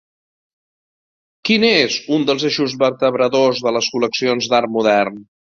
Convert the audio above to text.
Quin és un dels eixos vertebradors de les col·leccions d'art modern?